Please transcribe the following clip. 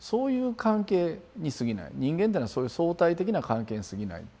人間っていうのはそういう相対的な関係にすぎない。